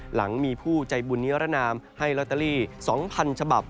หลังมีผู้ใจบุญนิรนามให้ลอตเตอรี่๒๐๐๐ฉบับ